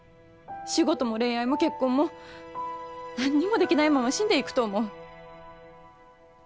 仕事も恋愛も結婚も何にもできないまま死んでいくと思う。